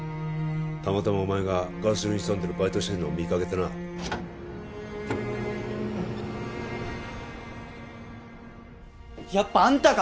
たまたまお前がガソリンスタンドでバイトしてんのを見かけてなやっぱあんたか！